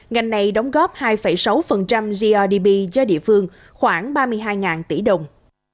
ngành này đóng góp hai sáu grdp cho địa phương khoảng ba mươi hai tỷ đồng